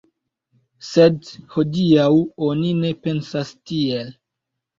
Sed hodiaŭ oni ne pensas tiel.